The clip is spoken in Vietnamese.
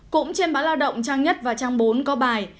cũng trên báo lao động trang nhất và trang bốn có bài